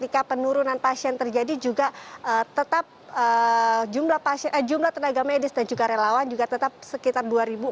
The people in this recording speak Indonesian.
jika penurunan pasien terjadi juga tetap jumlah tenaga medis dan juga relawan juga tetap sekitar dua empat ratus